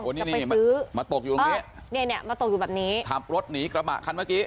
จะไปซื้อมาตกอยู่ตรงนี้มาตกอยู่แบบนี้ขับรถหนีกระบะคันเมื่อกี้